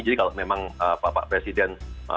jadi kalau memang pak presiden